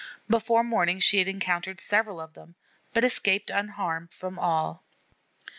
Before morning she had encountered several of them, but escaped unharmed from all.